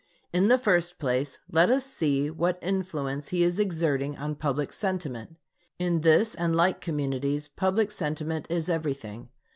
In the first place, let us see what influence he is exerting on public sentiment. In this and like communities public sentiment is everything.